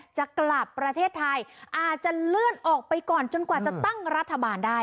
จะกลับประเทศไทยอาจจะเลื่อนออกไปก่อนจนกว่าจะตั้งรัฐบาลได้